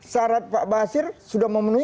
syarat pak basir sudah memenuhi